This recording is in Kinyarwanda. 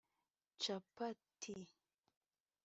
capati